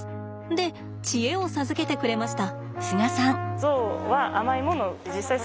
で知恵を授けてくれました。